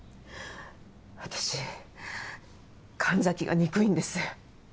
私神崎が憎いんです。